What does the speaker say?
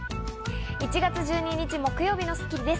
１月１２日、木曜日の『スッキリ』です。